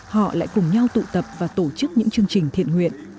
họ lại cùng nhau tụ tập và tổ chức những chương trình thiện nguyện